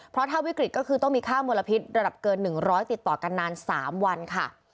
เพราะถ้าวิกฤตก็คือต้องมีค่ามลพิษระดับเกิน๑๐๐ติดต่อกันนาน๓วันค่ะ